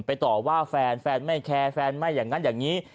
ต่อว่าแฟนแฟนไม่แคร์แฟนไม่อย่างนั้นอย่างนี้